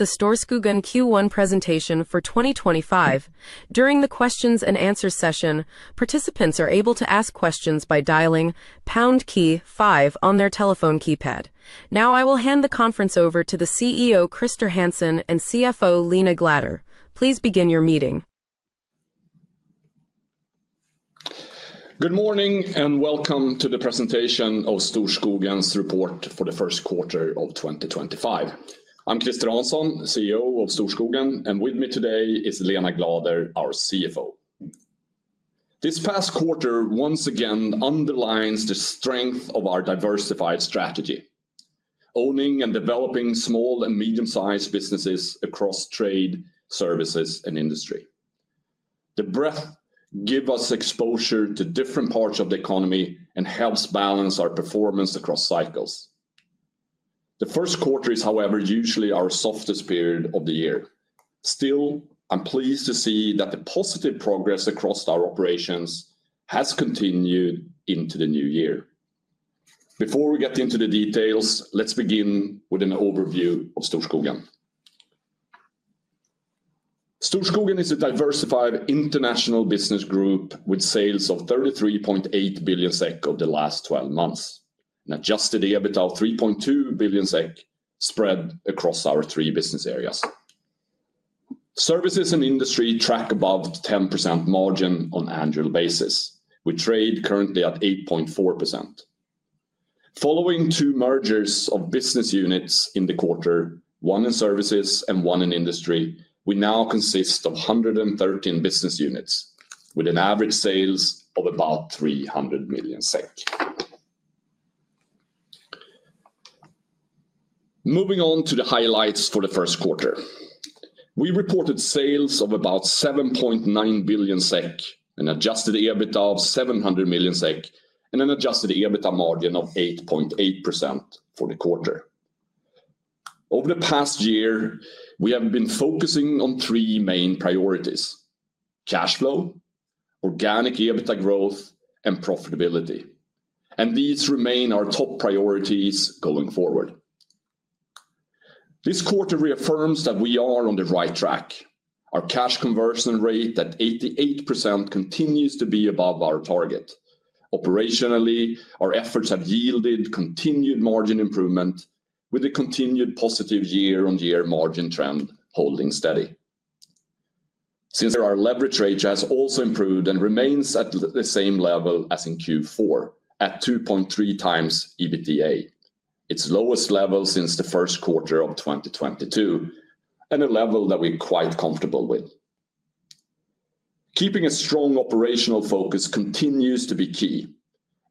The Storskogen Q1 presentation for 2025. During the Q&A session, participants are able to ask questions by dialing pound five on their telephone keypad. Now, I will hand the conference over to the CEO, Christer Hansson, and CFO, Lena Glader. Please begin your meeting. Good morning, and welcome to the presentation of Storskogen's report for first quarter 2025. I'm Christer Hansson, CEO of Storskogen, and with me today is Lena Glader, our CFO. This first quarter once again underlines the strength of our diversified strategy: owning and developing small and medium-sized businesses across trade, services, and industry. The breadth gives us exposure to different parts of the economy and helps balance our performance across cycles. The first quarter is, however, usually our softest period of the year. Still, I'm pleased to see that the positive progress across our operations has continued into the new year. Before we get into the details, let's begin with an overview of Storskogen. Storskogen is a diversified international business group with sales of 33.8 billion SEK over the last 12 months, and adjusted EBITDA of 3.2 billion SEK spread across our three business areas. Services and industry track above the 10% margin on an annual basis. We trade currently at 8.4%. Following two mergers of business units in the quarter, one in services and one in industry, we now consist of 113 business units, with an average sales of about 300 million SEK. Moving on to the highlights for Q1. We reported sales of about 7.9 billion SEK, an adjusted EBITDA of 700 million SEK, and an adjusted EBITDA margin of 8.8% for the quarter. Over the past year, we have been focusing on three main priorities: cash flow, organic EBITDA growth, and profitability. These remain our top priorities going forward. This quarter reaffirms that we are on the right track. Our cash conversion rate at 88% continues to be above our target. Operationally, our efforts have yielded continued margin improvement, with a continued positive year-on-year margin trend holding steady. Since our leverage ratio has also improved and remains at the same level as in Q4, at 2.3 times EBITDA, its lowest level since first quarter 2022, and a level that we're quite comfortable with. Keeping a strong operational focus continues to be key,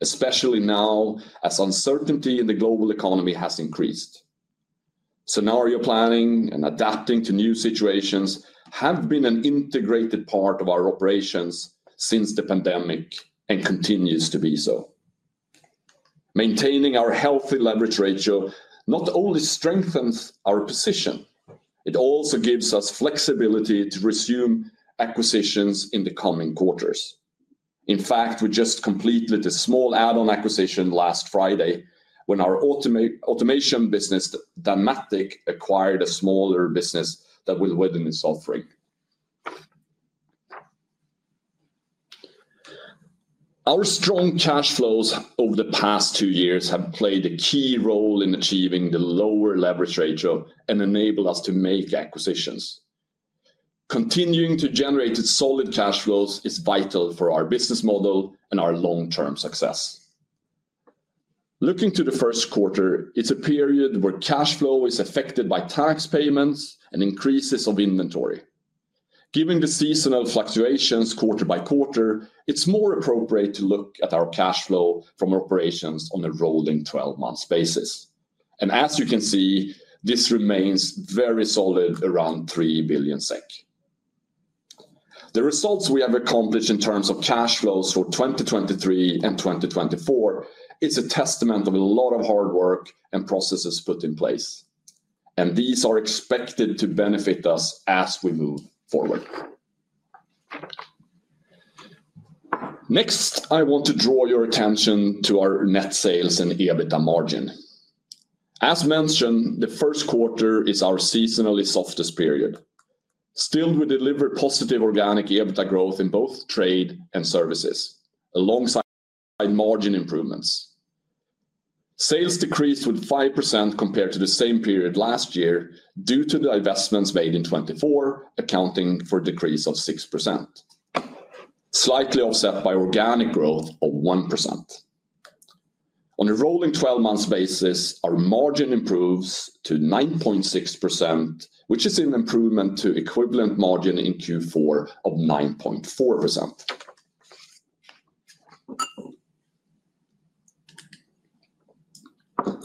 especially now as uncertainty in the global economy has increased. Scenario planning and adapting to new situations have been an integrated part of our operations since the pandemic and continue to be so. Maintaining our healthy leverage ratio not only strengthens our position, it also gives us flexibility to resume acquisitions in the coming quarters. In fact, we just completed a small add-on acquisition last Friday when our automation business, Danmatic, acquired a smaller business that will widen its offering. Our strong cash flows over the past two years have played a key role in achieving the lower leverage ratio and enabled us to make acquisitions. Continuing to generate solid cash flows is vital for our business model and our long-term success. Looking to first quarter, it's a period where cash flow is affected by tax payments and increases of inventory. Given the seasonal fluctuations quarter-by-quarter, it's more appropriate to look at our cash flow from operations on a rolling 12-month basis. As you can see, this remains very solid around 3 billion SEK. The results we have accomplished in terms of cash flows for 2023 and 2024 are a testament to a lot of hard work and processes put in place. These are expected to benefit us as we move forward. Next, I want to draw your attention to our net sales and EBITDA margin. As mentioned, first quarter is our seasonally softest period. Still, we delivered positive organic EBITDA growth in both trade and services, alongside margin improvements. Sales decreased with 5% compared to the same period last year due to the investments made in 2024, accounting for a decrease of 6%, slightly offset by organic growth of 1%. On a rolling 12-month basis, our margin improves to 9.6%, which is an improvement to equivalent margin in Q4 of 9.4%.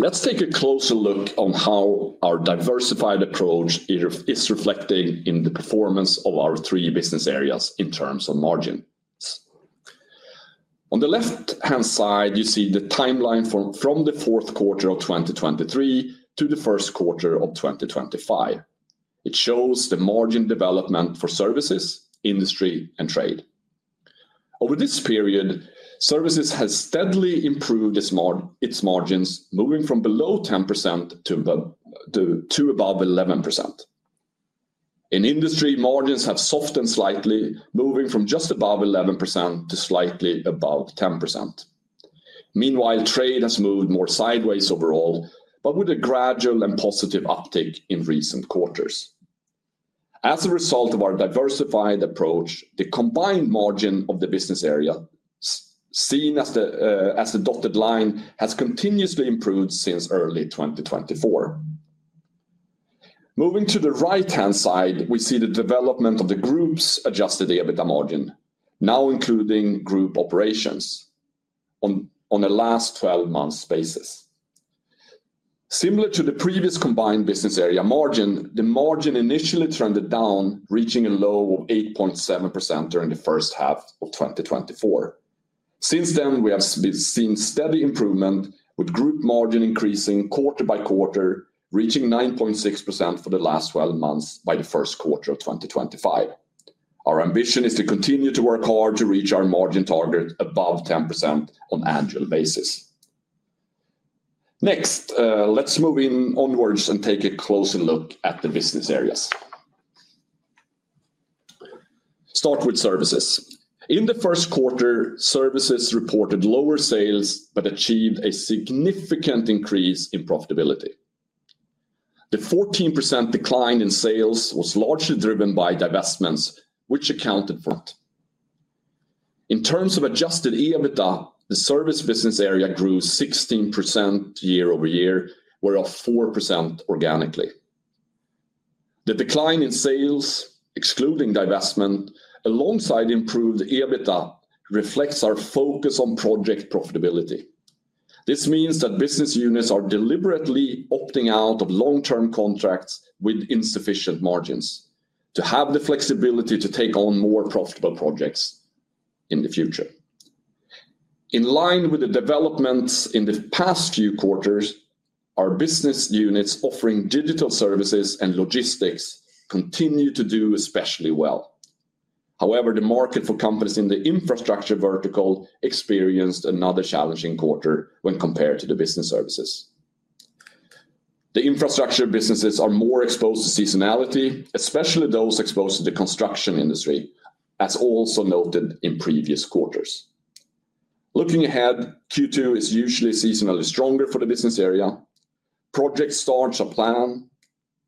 Let's take a closer look at how our diversified approach is reflecting in the performance of our three business areas in terms of margins. On the left-hand side, you see the timeline from fourth quarter 2023 to first quarter 2025. It shows the margin development for services, industry, and trade. Over this period, services has steadily improved its margins, moving from below 10% to above 11%. In industry, margins have softened slightly, moving from just above 11% to slightly above 10%. Meanwhile, trade has moved more sideways overall, but with a gradual and positive uptick in recent quarters. As a result of our diversified approach, the combined margin of the business area, seen as the dotted line, has continuously improved since early 2024. Moving to the right-hand side, we see the development of the group's adjusted EBITDA margin, now including group operations, on a last 12-month basis. Similar to the previous combined business area margin, the margin initially trended down, reaching a low of 8.7% during the first half of 2024. Since then, we have seen steady improvement, with group margin increasing quarter-by-quarter, reaching 9.6% for the last 12 months by first quarter 2025. Our ambition is to continue to work hard to reach our margin target above 10% on annual basis. Next, let's move onwards and take a closer look at the business areas. Start with services. In first quarter, services reported lower sales but achieved a significant increase in profitability. The 14% decline in sales was largely driven by divestments, which accounted for. In terms of adjusted EBITDA, the service business area grew 16% year-over-year, whereas 4% organically. The decline in sales, excluding divestment, alongside improved EBITDA, reflects our focus on project profitability. This means that business units are deliberately opting out of long-term contracts with insufficient margins to have the flexibility to take on more profitable projects in the future. In line with the developments in the past few quarters, our business units offering digital services and logistics continue to do especially well. However, the market for companies in the infrastructure vertical experienced another challenging quarter when compared to the business services. The infrastructure businesses are more exposed to seasonality, especially those exposed to the construction industry, as also noted in previous quarters. Looking ahead, Q2 is usually seasonally stronger for the business area. Project starts are planned,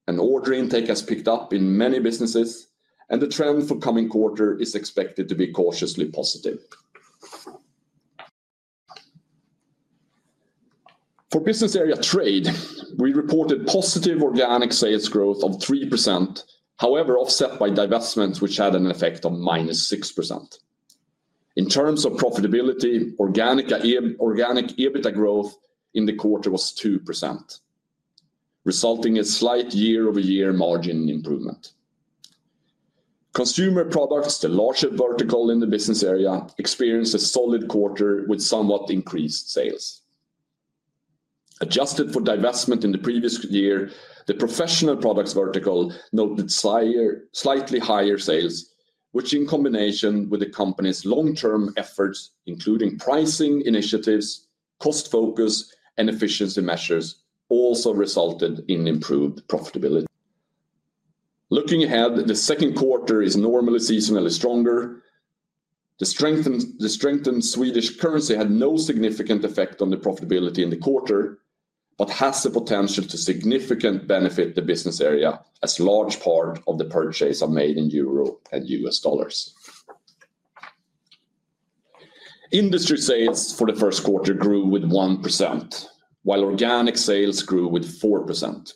and order intake has picked up in many businesses, and the trend for third quarter is expected to be cautiously positive. For business area Trade, we reported positive organic sales growth of 3%, however offset by divestments, which had an effect of -6%. In terms of profitability, organic EBITDA growth in second quarter was 2%, resulting in a slight year-over-year margin improvement. Consumer products, the largest vertical in the business area, experienced a solid quarter with somewhat increased sales. Adjusted for divestment in the previous year, the professional products vertical noted slightly higher sales, which, in combination with the company's long-term efforts, including pricing initiatives, cost focus, and efficiency measures, also resulted in improved profitability. Looking ahead, second quarter is normally seasonally stronger. The strengthened Swedish currency had no significant effect on the profitability in the quarter, but has the potential to significantly benefit the business area, as a large part of the purchase is made in EUR and $US. Industry sales for first quarter grew with 1%, while organic sales grew with 4%.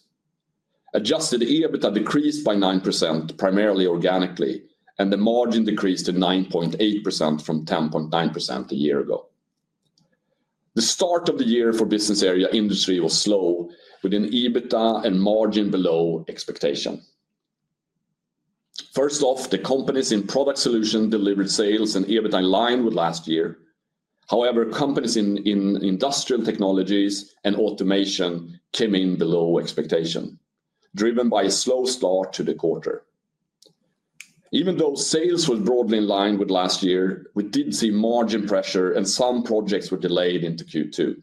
Adjusted EBITDA decreased by 9%, primarily organically, and the margin decreased to 9.8% from 10.9% a year ago. The start of the year for business area industry was slow, with an EBITDA and margin below expectation. First off, the companies in product solution delivered sales and EBITDA in line with last year. However, companies in industrial technologies and automation came in below expectation, driven by a slow start to the quarter. Even though sales were broadly in line with last year, we did see margin pressure, and some projects were delayed into Q2.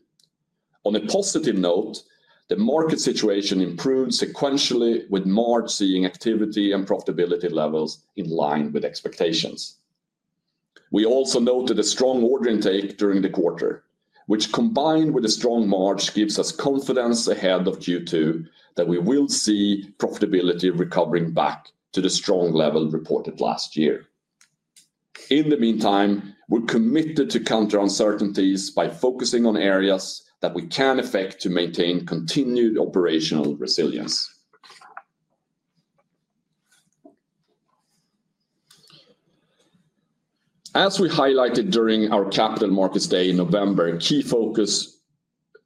On a positive note, the market situation improved sequentially, with March seeing activity and profitability levels in line with expectations. We also noted a strong order intake during the quarter, which, combined with a strong margin, gives us confidence ahead of Q2 that we will see profitability recovering back to the strong level reported last year. In the meantime, we're committed to counter uncertainties by focusing on areas that we can affect to maintain continued operational resilience. As we highlighted during our capital markets day in November, a key focus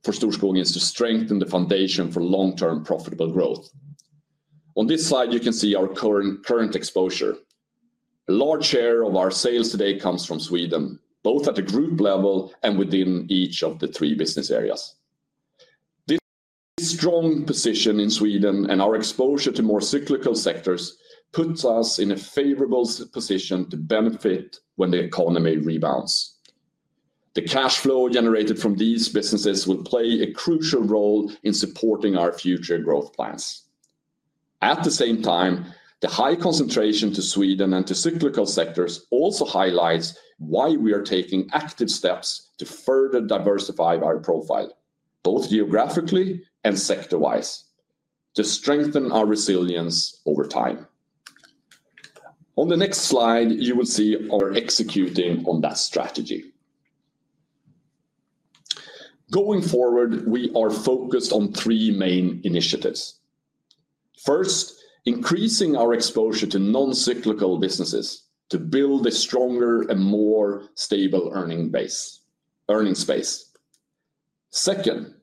for Storskogen is to strengthen the foundation for long-term profitable growth. On this slide, you can see our current exposure. A large share of our sales today comes from Sweden, both at the group level and within each of the three business areas. This strong position in Sweden and our exposure to more cyclical sectors puts us in a favorable position to benefit when the economy rebounds. The cash flow generated from these businesses will play a crucial role in supporting our future growth plans. At the same time, the high concentration to Sweden and to cyclical sectors also highlights why we are taking active steps to further diversify our profile, both geographically and sector-wise, to strengthen our resilience over time. On the next slide, you will see us executing on that strategy. Going forward, we are focused on three main initiatives. First, increasing our exposure to non-cyclical businesses to build a stronger and more stable earnings base. Second,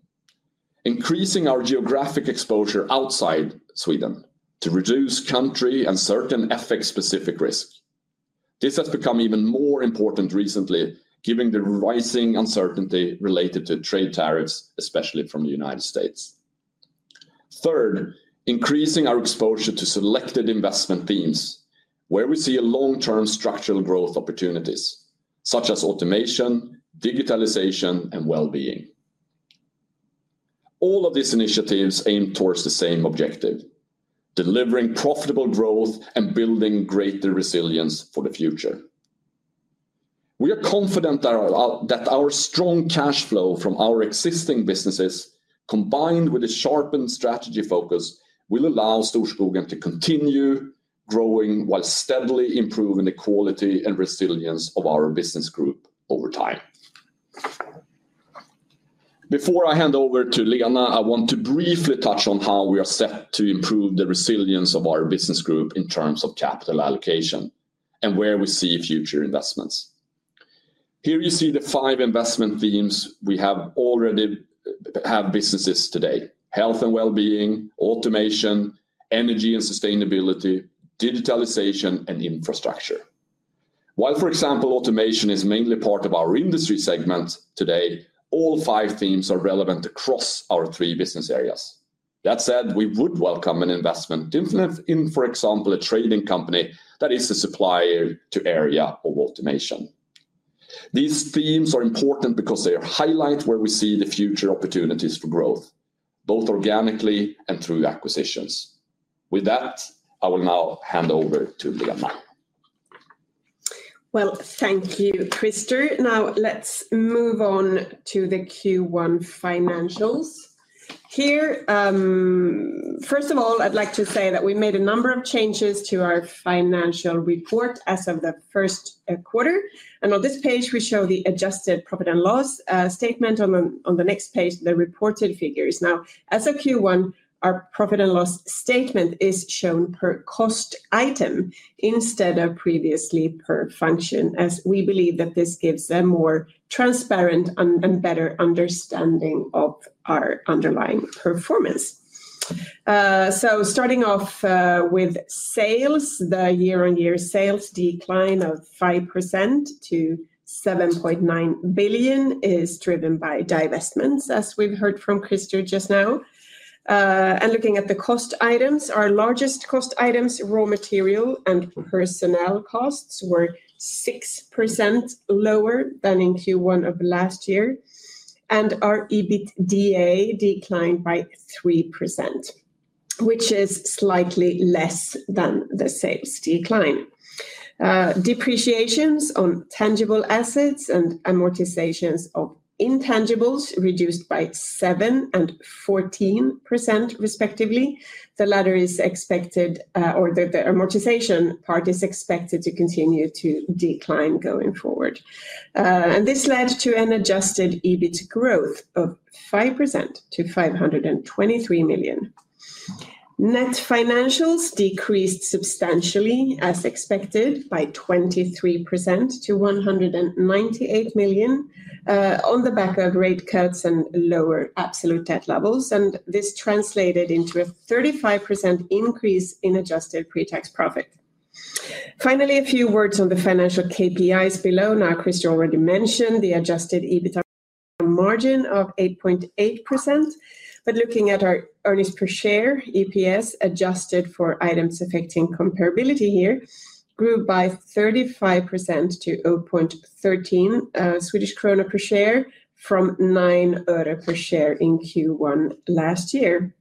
increasing our geographic exposure outside Sweden to reduce country and certain FX-specific risk. This has become even more important recently, given the rising uncertainty related to trade tariffs, especially from the United States. Third, increasing our exposure to selected investment themes, where we see long-term structural growth opportunities, such as automation, digitalization, and well-being. All of these initiatives aim towards the same objective: delivering profitable growth and building greater resilience for the future. We are confident that our strong cash flow from our existing businesses, combined with a sharpened strategy focus, will allow Storskogen to continue growing while steadily improving the quality and resilience of our business group over time. Before I hand over to Lena, I want to briefly touch on how we are set to improve the resilience of our business group in terms of capital allocation and where we see future investments. Here you see the five investment themes we already have businesses today: health and well-being, automation, energy and sustainability, digitalization, and infrastructure. While, for example, automation is mainly part of our industry segment today, all five themes are relevant across our three business areas. That said, we would welcome an investment in, for example, a trading company that is a supplier to area of automation. These themes are important because they are highlighting where we see the future opportunities for growth, both organically and through acquisitions. With that, I will now hand over to Lena. Thank you, Christer. Now, let's move on to the Q1 financials. Here, first of all, I'd like to say that we made a number of changes to our financial report as of the first quarter. On this page, we show the adjusted profit and loss statement. On the next page, the reported figures. Now, as of Q1, our profit and loss statement is shown per cost item instead of previously per function, as we believe that this gives a more transparent and better understanding of our underlying performance. Starting off with sales, the year-on-year sales decline of 5% to 7.9 billion is driven by divestments, as we've heard from Christer just now. Looking at the cost items, our largest cost items, raw material and personnel costs, were 6% lower than in Q1 of last year, and our EBITDA declined by 3%, which is slightly less than the sales decline. Depreciations on tangible assets and amortizations of intangibles reduced by 7% and 14%, respectively. The latter is expected, or the amortization part is expected to continue to decline going forward. This led to an adjusted EBIT growth of 5% to 523 million. Net financials decreased substantially, as expected, by 23% to 198 million on the back of rate cuts and lower absolute debt levels, and this translated into a 35% increase in adjusted pre-tax profit. Finally, a few words on the financial KPIs below. Now, Christer already mentioned the adjusted EBIT margin of 8.8%, but looking at our earnings per share (EPS) adjusted for items affecting comparability here, grew by 35% to 0.13 Swedish krona per share from 0.09 euro per share in Q1 last year.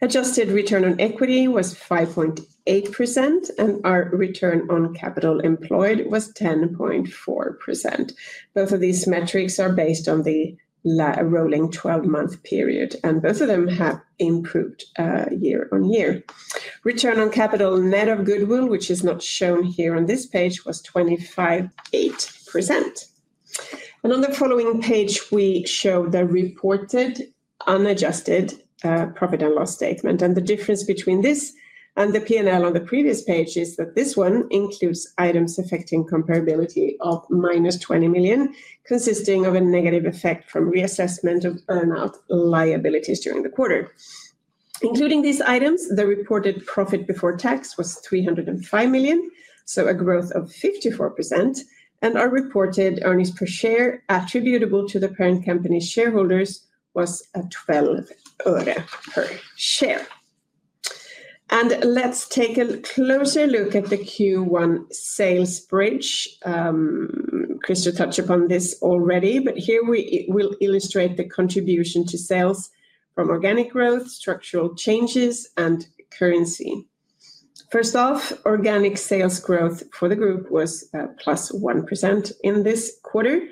Adjusted return on equity was 5.8%, and our return on capital employed was 10.4%. Both of these metrics are based on the rolling 12-month period, and both of them have improved year on year. Return on capital net of goodwill, which is not shown here on this page, was 25.8%. On the following page, we show the reported unadjusted profit and loss statement, and the difference between this and the P&L on the previous page is that this one includes items affecting comparability of minus 20 million, consisting of a negative effect from reassessment of earn-out liabilities during the quarter. Including these items, the reported profit before tax was 305 million, so a growth of 54%, and our reported earnings per share attributable to the parent company's shareholders was SEK 0.12 per share. Let's take a closer look at the Q1 sales bridge. Christer touched upon this already, but here we will illustrate the contribution to sales from organic growth, structural changes, and currency. First off, organic sales growth for the group was plus 1% in this quarter.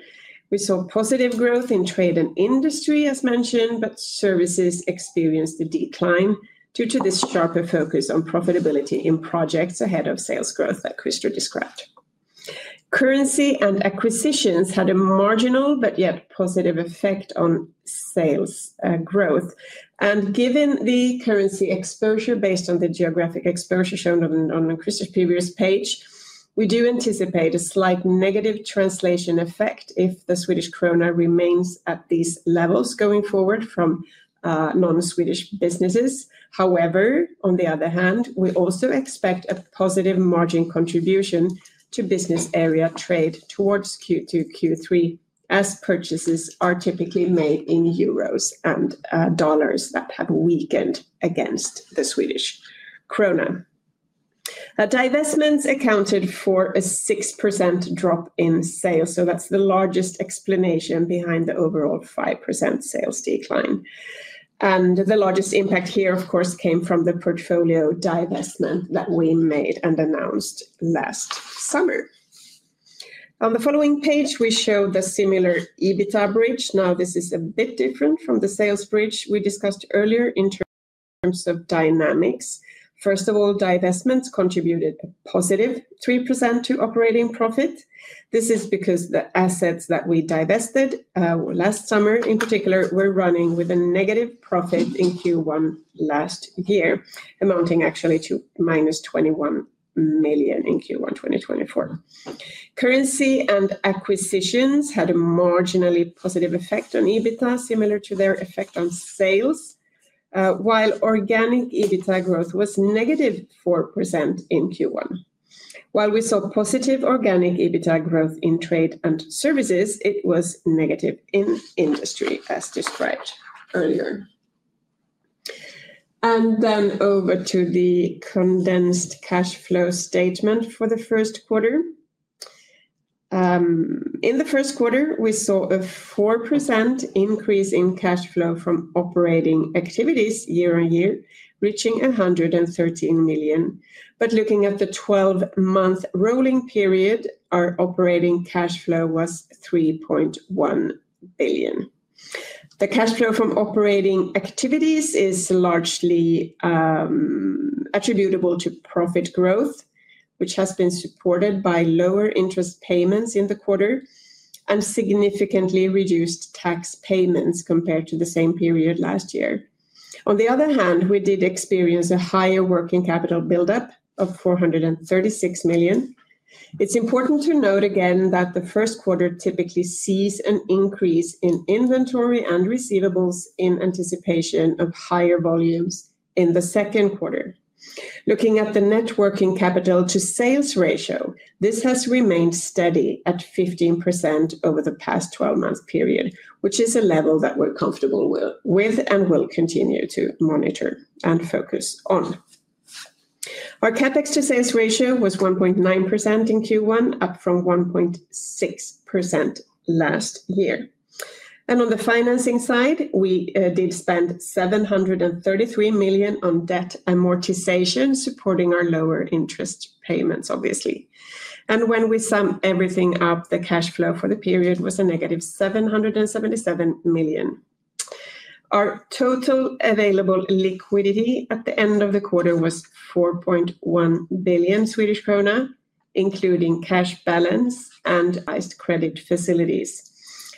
We saw positive growth in trade and industry, as mentioned, but services experienced a decline due to this sharper focus on profitability in projects ahead of sales growth that Christer described. Currency and acquisitions had a marginal but yet positive effect on sales growth. Given the currency exposure based on the geographic exposure shown on Christer's previous page, we do anticipate a slight negative translation effect if the Swedish krona remains at these levels going forward from non-Swedish businesses. However, on the other hand, we also expect a positive margin contribution to business area trade towards Q2-Q3, as purchases are typically made in EUR and USD that have weakened against the Swedish krona. Divestments accounted for a 6% drop in sales, so that's the largest explanation behind the overall 5% sales decline. The largest impact here, of course, came from the portfolio divestment that we made and announced last summer. On the following page, we show the similar EBITDA bridge. This is a bit different from the sales bridge we discussed earlier in terms of dynamics. First of all, divestments contributed a positive 3% to operating profit. This is because the assets that we divested last summer, in particular, were running with a negative profit in Q1 last year, amounting actually to minus 21 million in Q1 2024. Currency and acquisitions had a marginally positive effect on EBITDA, similar to their effect on sales, while organic EBITDA growth was negative 4% in Q1. While we saw positive organic EBITDA growth in trade and services, it was negative in industry, as described earlier. Over to the condensed cash flow statement for the first quarter. In the first quarter, we saw a 4% increase in cash flow from operating activities year on year, reaching 113 million. Looking at the 12-month rolling period, our operating cash flow was 3.1 billion. The cash flow from operating activities is largely attributable to profit growth, which has been supported by lower interest payments in the quarter and significantly reduced tax payments compared to the same period last year. On the other hand, we did experience a higher working capital buildup of 436 million. It is important to note again that the first quarter typically sees an increase in inventory and receivables in anticipation of higher volumes in the second quarter. Looking at the net working capital to sales ratio, this has remained steady at 15% over the past 12-month period, which is a level that we are comfortable with and will continue to monitor and focus on. Our CapEx to sales ratio was 1.9% in Q1, up from 1.6% last year. On the financing side, we did spend 733 million on debt amortization, supporting our lower interest payments, obviously. When we sum everything up, the cash flow for the period was a negative 777 million. Our total available liquidity at the end of the quarter was 4.1 billion Swedish krona, including cash balance and advised credit facilities.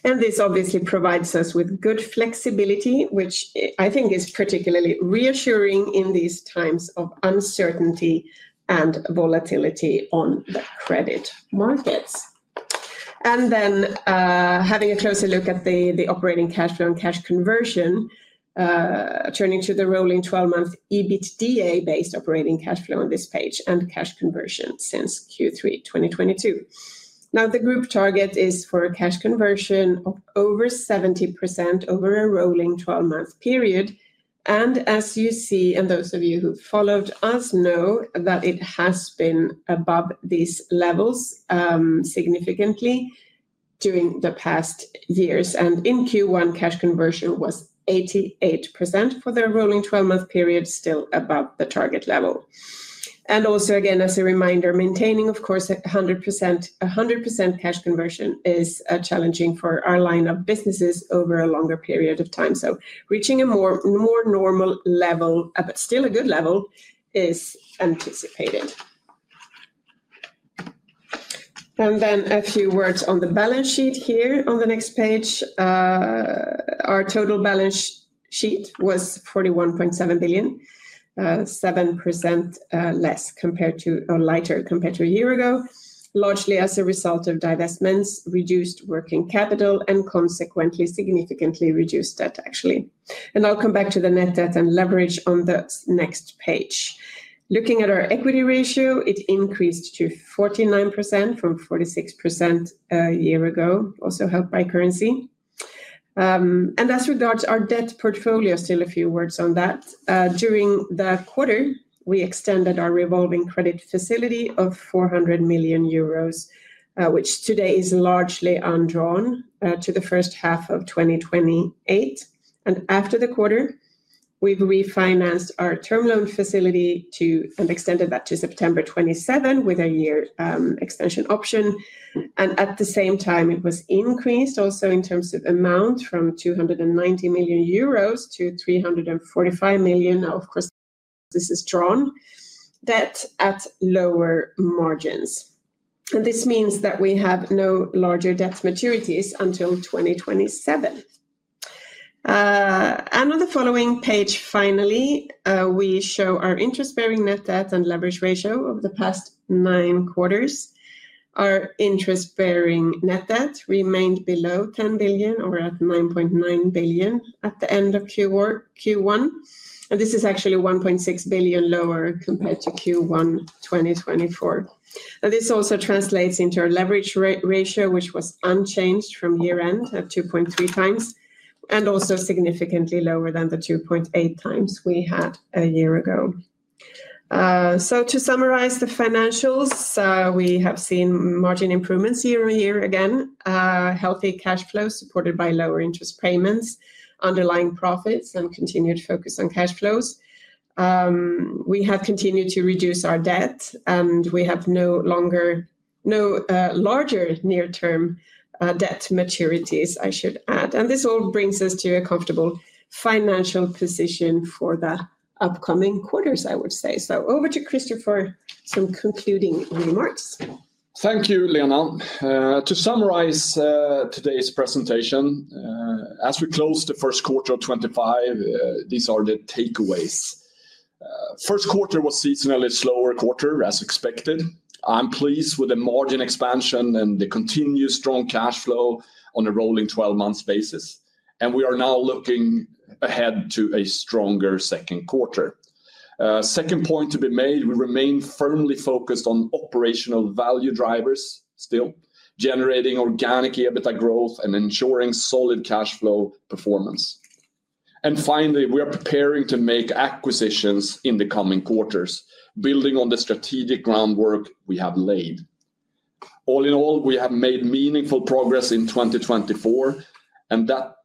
This obviously provides us with good flexibility, which I think is particularly reassuring in these times of uncertainty and volatility on the credit markets. Having a closer look at the operating cash flow and cash conversion, turning to the rolling 12-month EBITDA-based operating cash flow on this page and cash conversion since Q3 2022. Now, the group target is for a cash conversion of over 70% over a rolling 12-month period. As you see, and those of you who followed us know that it has been above these levels significantly during the past years. In Q1, cash conversion was 88% for the rolling 12-month period, still above the target level. Also, again, as a reminder, maintaining, of course, 100% cash conversion is challenging for our line of businesses over a longer period of time. Reaching a more normal level, but still a good level, is anticipated. A few words on the balance sheet here on the next page. Our total balance sheet was 41.7 billion, 7% less compared to or lighter compared to a year ago, largely as a result of divestments, reduced working capital, and consequently significantly reduced debt, actually. I'll come back to the net debt and leverage on the next page. Looking at our equity ratio, it increased to 49% from 46% a year ago, also helped by currency. As regards our debt portfolio, still a few words on that. During the quarter, we extended our revolving credit facility of 400 million euros, which today is largely undrawn to the first half of 2028. After the quarter, we have refinanced our term loan facility and extended that to September 2027 with a one-year extension option. At the same time, it was increased also in terms of amount from 290 million euros to 345 million. Now, of course, this is drawn debt at lower margins. This means that we have no larger debt maturities until 2027. On the following page, finally, we show our interest-bearing net debt and leverage ratio over the past nine quarters. Our interest-bearing net debt remained below 10 billion or at 9.9 billion at the end of Q1. This is actually 1.6 billion lower compared to Q1 2024. This also translates into our leverage ratio, which was unchanged from year-end at 2.3 times and also significantly lower than the 2.8 times we had a year ago. To summarize the financials, we have seen margin improvements year on year again, healthy cash flows supported by lower interest payments, underlying profits, and continued focus on cash flows. We have continued to reduce our debt, and we have no longer no larger near-term debt maturities, I should add. This all brings us to a comfortable financial position for the upcoming quarters, I would say. Over to Christer for some concluding remarks. Thank you, Lena. To summarize today's presentation, as we close the first quarter of 2025, these are the takeaways. The first quarter was a seasonally slower quarter, as expected. I'm pleased with the margin expansion and the continued strong cash flow on a rolling 12-month basis. We are now looking ahead to a stronger second quarter. The second point to be made, we remain firmly focused on operational value drivers still, generating organic EBITDA growth and ensuring solid cash flow performance. Finally, we are preparing to make acquisitions in the coming quarters, building on the strategic groundwork we have laid. All in all, we have made meaningful progress in 2024, and that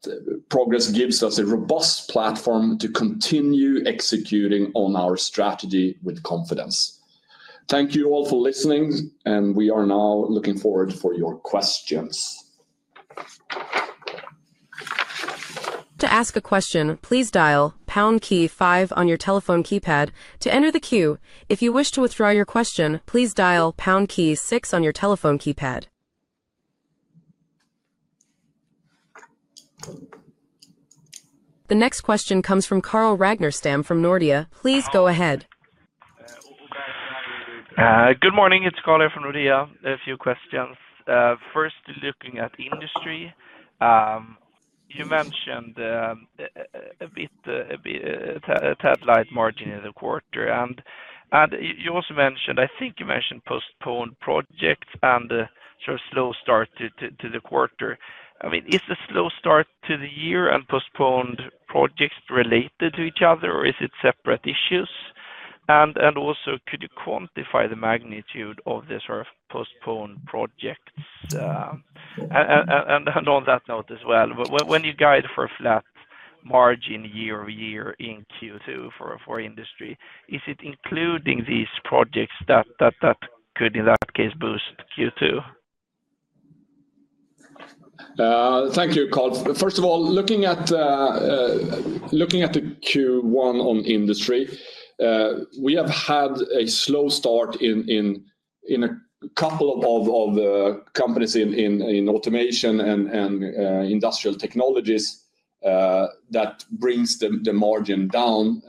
progress gives us a robust platform to continue executing on our strategy with confidence. Thank you all for listening, and we are now looking forward to your questions. To ask a question, please dial pound key five on your telephone keypad to enter the queue. If you wish to withdraw your question, please dial pound key six on your telephone keypad. The next question comes from Carl Ragnarstam from Nordea. Please go ahead. Good morning. It's Carl from Nordea. A few questions. First, looking at industry, you mentioned a bit of a tad light margin in the quarter. You also mentioned, I think you mentioned postponed projects and sort of slow start to the quarter. I mean, is the slow start to the year and postponed projects related to each other, or is it separate issues? Also, could you quantify the magnitude of the sort of postponed projects? On that note as well, when you guide for a flat margin year-over-year in Q2 for industry, is it including these projects that could, in that case, boost Q2? Thank you, Carl. First of all, looking at the Q1 on industry, we have had a slow start in a couple of companies in automation and industrial technologies that brings the margin down,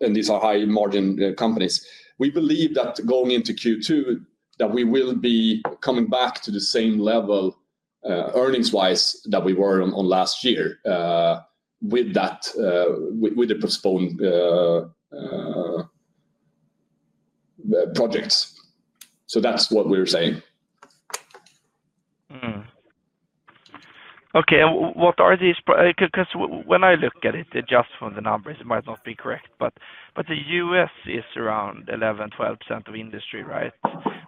and these are high-margin companies. We believe that going into Q2, that we will be coming back to the same level earnings-wise that we were on last year with the postponed projects. That is what we are saying. Okay. What are these? Because when I look at it, just from the numbers, it might not be correct, but the U.S. is around 11%-12% of industry, right?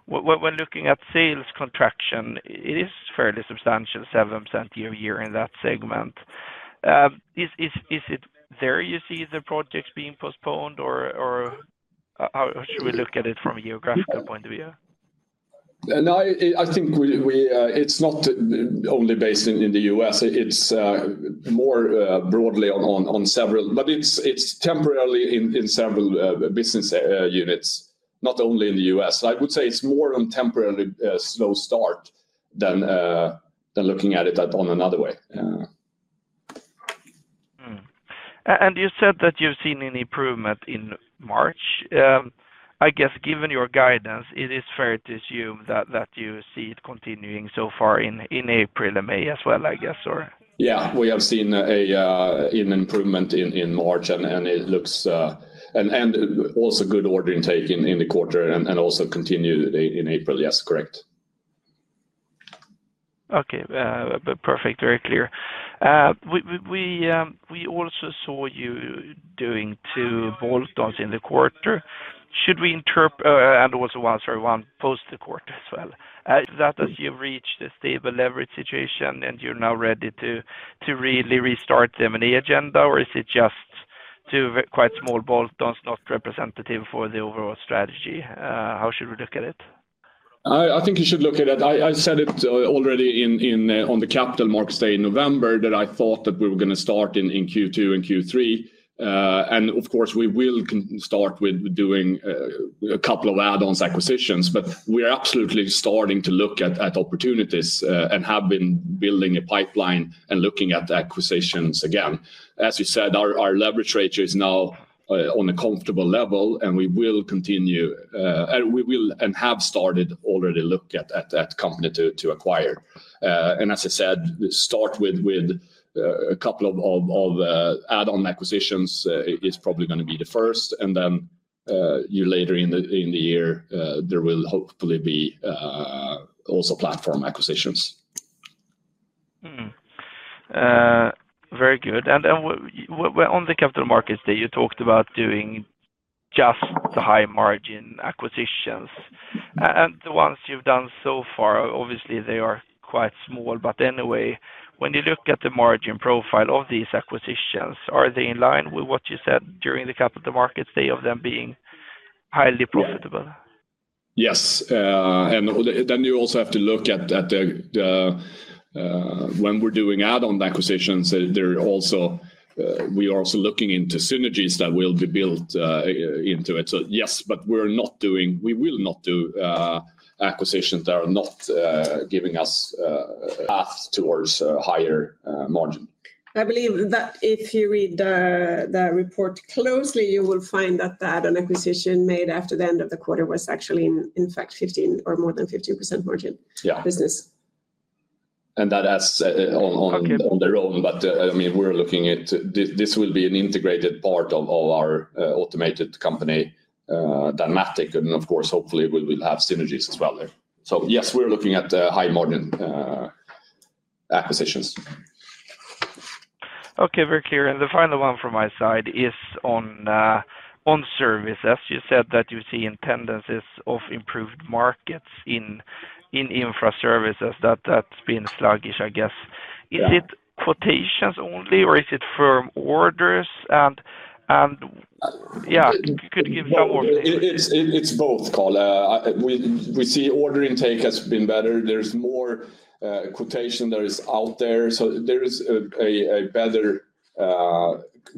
When looking at sales contraction, it is fairly substantial, 7% year-to-year in that segment. Is it there you see the projects being postponed, or how should we look at it from a geographical point of view? No, I think it's not only based in the U.S. It's more broadly on several, but it's temporarily in several business units, not only in the U.S. I would say it's more on temporarily slow start than looking at it on another way. You said that you've seen an improvement in March. I guess, given your guidance, it is fair to assume that you see it continuing so far in April and May as well, I guess, or? Yeah, we have seen an improvement in March, and it looks and also good order intake in the quarter and also continued in April. Yes, correct. Okay. Perfect. Very clear. We also saw you doing two bolt-on in the quarter. Should we interpret and also one post-quarter as well? That as you reach the stable leverage situation and you're now ready to really restart them in the agenda, or is it just two quite small bolt-on not representative for the overall strategy? How should we look at it? I think you should look at it. I said it already on the capital markets day in November that I thought that we were going to start in Q2 and Q3. Of course, we will start with doing a couple of add-on acquisitions, but we are absolutely starting to look at opportunities and have been building a pipeline and looking at acquisitions again. As you said, our leverage ratio is now on a comfortable level, and we will continue and have started already looking at companies to acquire. As I said, start with a couple of add-on acquisitions is probably going to be the first. Later in the year, there will hopefully be also platform acquisitions. Very good. On the capital markets day, you talked about doing just the high-margin acquisitions. The ones you've done so far, obviously, they are quite small. Anyway, when you look at the margin profile of these acquisitions, are they in line with what you said during the capital markets day of them being highly profitable? Yes. You also have to look at when we're doing add-on acquisitions, we are also looking into synergies that will be built into it. Yes, but we will not do acquisitions that are not giving us path towards higher margin. I believe that if you read the report closely, you will find that the add-on acquisition made after the end of the quarter was actually, in fact, 15% or more than 15% margin business. That has on their own, but I mean, we're looking at this will be an integrated part of our automated company Danmatic, and of course, hopefully, we'll have synergies as well there. Yes, we're looking at high-margin acquisitions. Okay. Very clear. The final one from my side is on services. You said that you see intendences of improved markets in infra services. That's been sluggish, I guess. Is it quotations only, or is it firm orders? Could you give some more? It's both, Carl. We see order intake has been better. There's more quotation that is out there. There is a better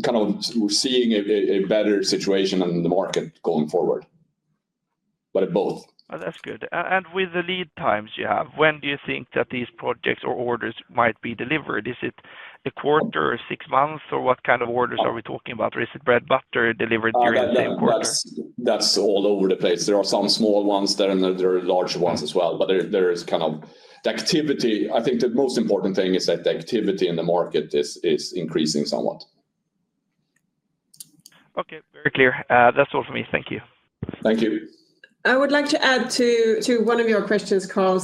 kind of we're seeing a better situation in the market going forward. Both. That's good. With the lead times you have, when do you think that these projects or orders might be delivered? Is it a quarter or six months, or what kind of orders are we talking about? Or is it bread butter delivered during the same quarter? That is all over the place. There are some small ones and there are larger ones as well. There is kind of the activity. I think the most important thing is that the activity in the market is increasing somewhat. Okay. Very clear. That is all for me. Thank you. Thank you. I would like to add to one of your questions, Carl,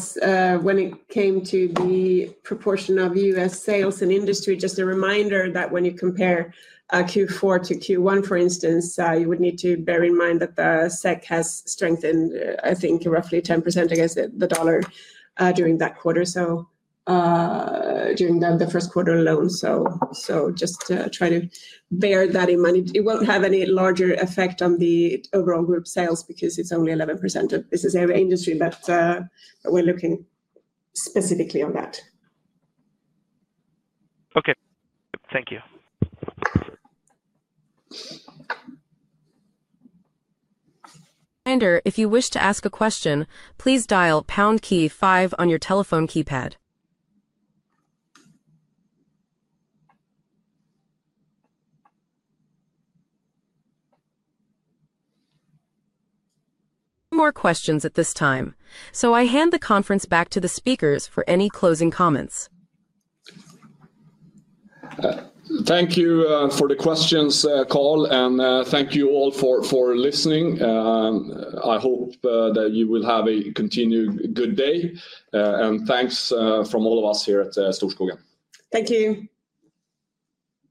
when it came to the proportion of U.S. sales and industry, just a reminder that when you compare Q4 to Q1, for instance, you would need to bear in mind that the SEK has strengthened, I think, roughly 10% against the dollar during that quarter, so during the first quarter alone. Just try to bear that in mind. It won't have any larger effect on the overall group sales because it's only 11% of this is an industry that we're looking specifically on that. Okay. Thank you. If you wish to ask a question, please dial pound key five on your telephone keypad. No more questions at this time. I hand the conference back to the speakers for any closing comments. Thank you for the questions, Carl. Thank you all for listening. I hope that you will have a continued good day. Thanks from all of us here at Storskogen. Thank you.